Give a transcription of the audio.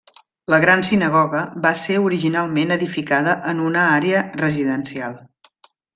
La Gran Sinagoga va ser originalment edificada en una àrea residencial.